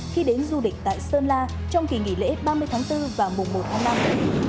khi đến du lịch tại sơn la trong kỳ nghỉ lễ ba mươi tháng bốn và mùa một tháng năm